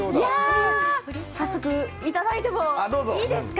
早速いただいてもいいですか。